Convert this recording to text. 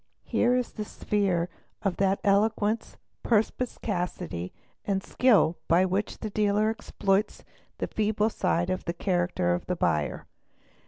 Here is the sphere of that eloquence, perspicacity, and skill by which the dealer exploits the feeble side of the character of the buyer.